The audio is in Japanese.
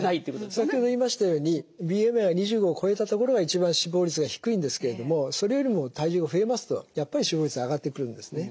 先ほど言いましたようにＢＭＩは２５を超えたところが一番死亡率が低いんですけれどもそれよりも体重が増えますとやっぱり死亡率上がってくるんですね。